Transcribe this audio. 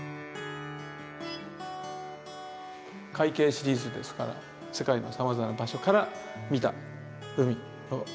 「海景」シリーズですから世界のさまざまな場所から見た海の風景。